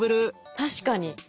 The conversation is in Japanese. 確かに。